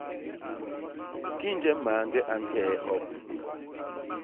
Kinje mañge a ñkee hop!